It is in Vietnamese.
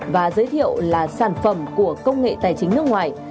và giới thiệu là sản phẩm của công nghệ tài chính nước ngoài